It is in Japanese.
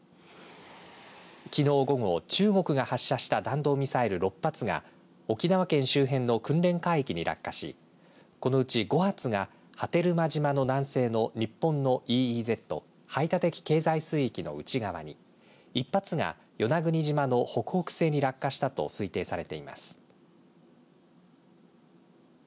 きのう午後、中国が発射した弾道ミサイル６発が沖縄県周辺の訓練海域に落下しこのうち５発が波照間島の南西の日本のＥＥＺ排他的経済水域の内側に１発が与那国島の北北西に落下したと推定されています。